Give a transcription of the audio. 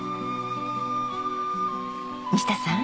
西田さん。